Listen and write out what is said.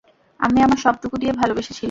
আমি আমার সবটুকু দিয়ে ভালোবেসেছিলাম!